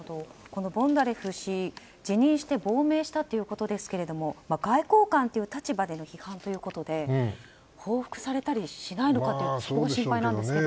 ボンダレフ氏、辞任して亡命したということですけど外交官という立場での批判ということで報復されたりしないのかとそこが心配なんですが。